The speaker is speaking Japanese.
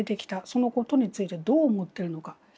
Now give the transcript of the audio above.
そのことについてどう思ってるのか。